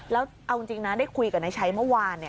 แล้วเอาจริงนะได้คุยกับนายชัยเมื่อวาน